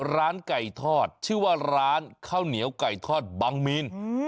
ร้านไก่ทอดชื่อว่าร้านข้าวเหนียวไก่ทอดบังมีน